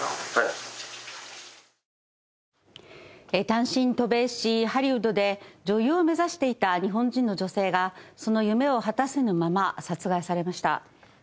単身渡米しハリウッドで女優を目指していた日本人の女性がその夢を果たせぬまま殺害されました。